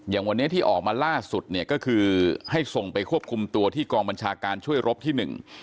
อย่างวันนี้ที่ออกมาล่าสุดเนี่ยก็คือให้ส่งไปควบคุมตัวที่กองบัญชาการช่วยรบที่หนึ่ง